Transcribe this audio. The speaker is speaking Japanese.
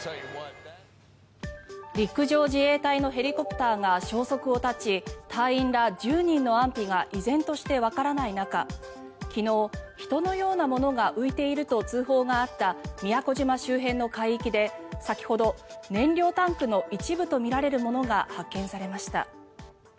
陸上自衛隊のヘリコプターが消息を絶ち隊員ら１０人の安否が依然としてわからない中昨日、人のようなものが浮いていると通報があった宮古島周辺の海域で先ほど燃料タンクの一部とみられるものが発見されました。